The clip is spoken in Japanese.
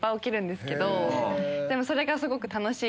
でもそれがすごく楽しい。